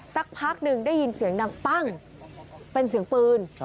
สักพักหนึ่งได้ยินเสียงดังปั้งเป็นเสียงปืน